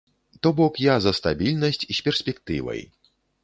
То бок, я за стабільнасць з перспектывай!